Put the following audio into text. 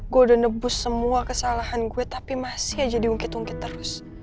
gue udah nebus semua kesalahan gue tapi masih aja diungkit ungkit terus